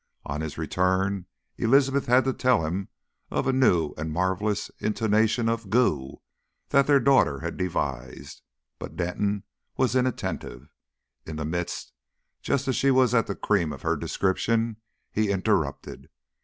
On his return Elizabeth had to tell him of a new and marvellous intonation of "Goo" that their daughter had devised, but Denton was inattentive. In the midst, just as she was at the cream of her description, he interrupted.